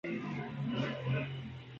د ټـولنیـز کارمنــد میاشتنی راپــور